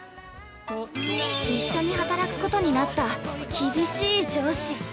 ◆一緒に働くことになった厳しい上司。